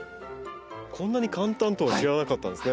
こんなに簡単とは知らなかったですね。